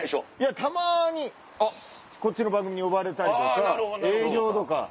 たまにこっちの番組に呼ばれたりとか営業とか。